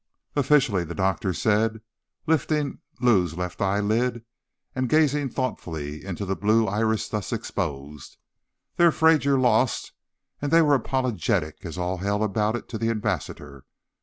"Officially," the doctor said, lifting Lou's left eyelid and gazing thoughtfully into the blue iris thus exposed, "they're afraid you're lost, and they were apologetic as all hell about it to the ambassador."